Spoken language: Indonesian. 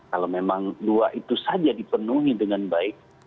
kalau memang dua itu saja dipenuhi dengan baik